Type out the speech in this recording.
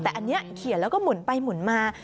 แต่อันนี้เขียนแล้วก็หมุนไปหมุนมา